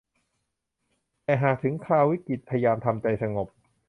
แต่หากถึงคราววิกฤตพยายามทำใจสงบ